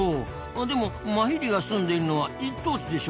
でもマヒリが住んでるのは一等地でしょ。